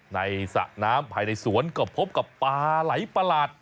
สระน้ำภายในสวนก็พบกับปลาไหลประหลาด